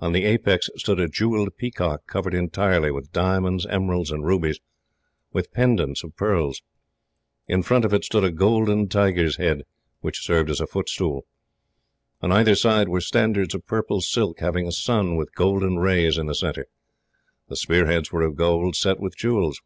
On the apex stood a jewelled peacock, covered entirely with diamonds, emeralds, and rubies, with pendants of pearls. In front of it stood a golden tiger's head, which served as a footstool. On either side were standards of purple silk, having a sun with gold rays in the centre. The spear heads were of gold, set with jewels.